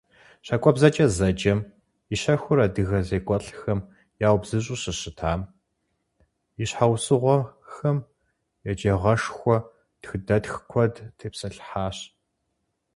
«ЩакӀуэбзэкӀэ» зэджэм и щэхур адыгэ зекӀуэлӀхэм яубзыщӀу щӀыщытам и щхьэусыгъуэхэм, еджагъэшхуэ тхыдэтх куэд тепсэлъыхьащ.